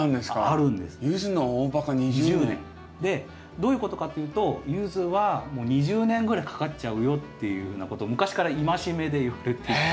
どういうことかというとユズはもう２０年ぐらいかかっちゃうよっていうようなことを昔から戒めでいわれていて。